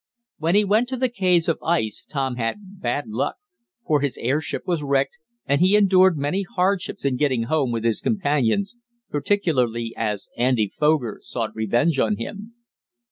When he went to the caves of ice Tom had bad luck, for his airship was wrecked, and he endured many hardships in getting home with his companions, particularly as Andy Foger sought revenge on him.